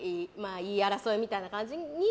言い争いみたいな感じに。